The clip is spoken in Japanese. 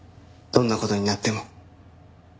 どんな事になっても。